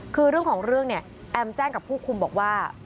คือเรื่องของเรื่องเนี่ยแอมแจ้งกับผู้คุมบอกว่า